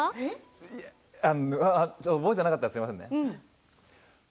覚えてなかったらすみませんね。